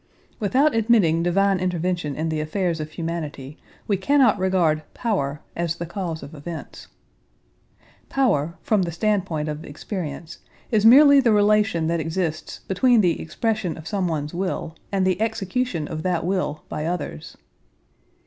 Without admitting divine intervention in the affairs of humanity we cannot regard "power" as the cause of events. Power, from the standpoint of experience, is merely the relation that exists between the expression of someone's will and the execution of that will by others.